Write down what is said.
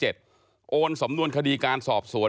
โอนสำนวนคดีการสอบสวน